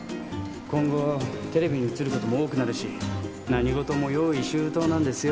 今後テレビに写ることも多くなるし何事も用意周到なんですよ